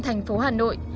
thành phố hà nội